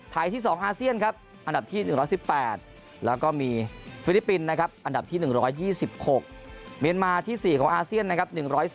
ที่๒อาเซียนครับอันดับที่๑๑๘แล้วก็มีฟิลิปปินส์นะครับอันดับที่๑๒๖เมียนมาที่๔ของอาเซียนนะครับ